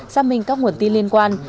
xác minh các nguồn tin liên quan